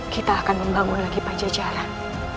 kita akan membangun lagi pajajaran